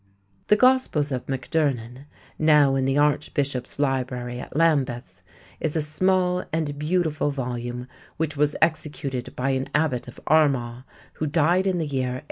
_The Gospels of MacDurnan _(now in the Archbishop's Library at Lambeth) is a small and beautiful volume which was executed by an abbot of Armagh who died in the year 891.